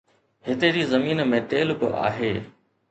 هتي جي زمين ۾ تيل به آهي